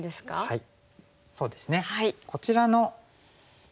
はい。